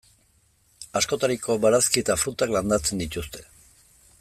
Askotariko barazki eta frutak landatzen dituzte.